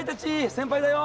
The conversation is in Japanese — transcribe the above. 先輩だよ。